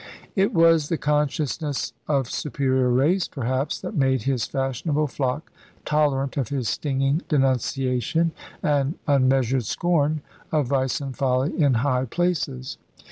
It was the consciousness of superior race, perhaps, that made his fashionable flock tolerant of his stinging denunciation and unmeasured scorn of vice and folly in high places.